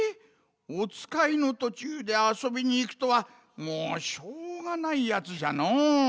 おつかいのとちゅうであそびにいくとはもうしょうがないやつじゃのう。